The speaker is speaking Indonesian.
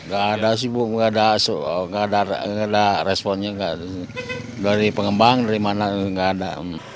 gak ada sibuk gak ada responnya dari pengembang dari mana gak ada